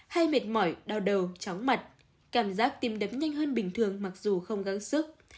hay mệt mỏi đau đầu chóng mặt cảm giác tim đấm nhanh hơn bình thường mặc dù không gắng sức